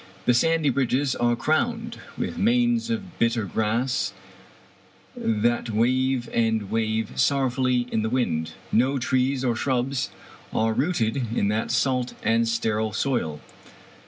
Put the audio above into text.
The sandy ridges are crowned with manes of bitter grass that wave and wave sorrow fully in the wind. No trees or shrubs are rooted in that salt and sterile soil.